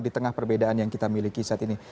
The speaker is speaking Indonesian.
di tengah perbedaan yang kita miliki saat ini